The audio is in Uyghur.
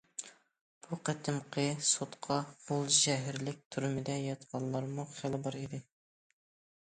بۇ قېتىمقى سوتقا غۇلجا شەھەرلىك تۈرمىدە ياتقانلارمۇ خېلى بار ئىدى.